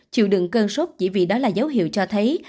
chịu đựng cơn sốt chỉ vì đó là dấu hiệu cho thấy